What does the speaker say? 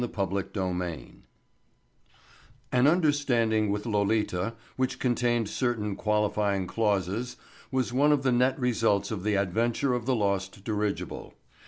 Chapter Six An understanding with Lolita which contained certain qualifying clauses was one of the net results of the Adventure of the Lost Dirigible.